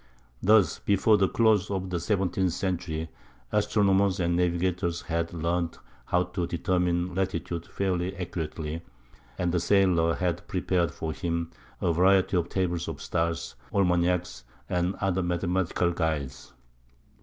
Thus before the close of the seventeenth century, astronomers and navigators had learned how to determine latitude fairly accurately, and the sailor had prepared for him a variety of tables of stars, almanacs, and other mathematical guides.